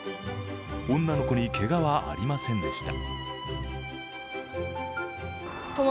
女の子にけがはありませんでした。